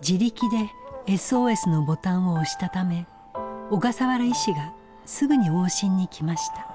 自力でＳＯＳのボタンを押したため小笠原医師がすぐに往診に来ました。